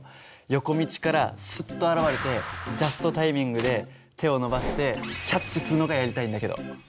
横道からすっと現れてジャストタイミングで手を伸ばしてキャッチするのがやりたいんだけど。